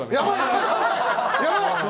やばい！